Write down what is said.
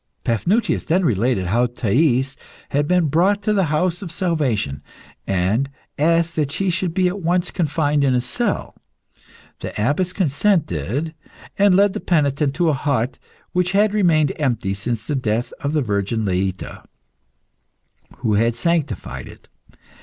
Paphnutius then related how Thais had been brought to the House of Salvation, and asked that she should be at once confined in a cell. The abbess consented, and led the penitent to a hut, which had remained empty since the death of the virgin Laeta, who had sanctified it.